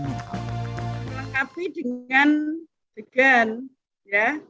melengkapi dengan degan ya